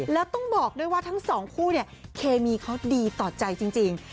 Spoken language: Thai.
แล้วต้องบอกว่าทั้งสองคู่เคมีเขาดีต่อใจจริง